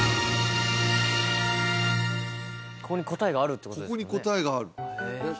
ここに答えがあるってことですもんね